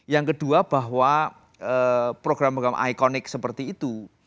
yang kedua bahwa program program ikonik seperti itu